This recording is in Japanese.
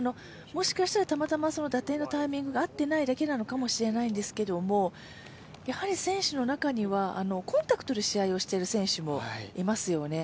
もしかしたらたまたま打点のタイミングが合っていないのだけかもしれないんですけれども、選手の中には、コンタクトで試合している選手もいますよね。